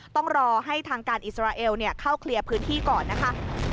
ต้องรอให้ทางการอิสราเอลเข้าเคลียร์พื้นที่ก่อนนะคะ